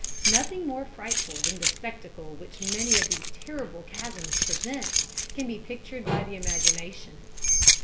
Nothing more frightful than the spectacle which many of these terrible chasms present can be pictured by the imagination.